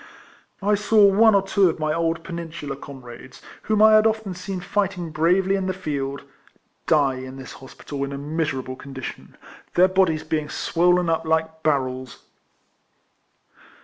I saw one or two of my old Peninsular comrades, whom I had often seen fighting bravely in the field, die in this hospital in a miserable condition, their bodies being swollen up like barrels.